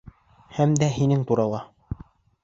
Һәм дә һинең турала.